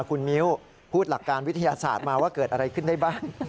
คุณมิ้วพูดหลักการวิทยาศาสตร์มาว่าเกิดอะไรขึ้นได้บ้าง